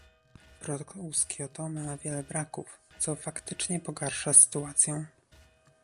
Protokół z Kioto ma wiele braków, co faktycznie pogarsza sytuację